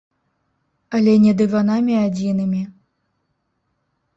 Але не дыванамі адзінымі.